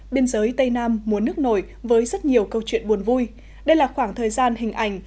biên giới tây nam mùa nước nổi với rất nhiều câu chuyện buồn vui đây là khoảng thời gian hình ảnh